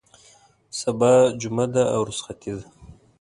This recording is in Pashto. سبا جمعه ده او رخصتي ده.